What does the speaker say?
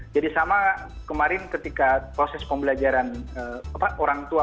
jadi sama kemarin ketika proses pembelajaran orang tua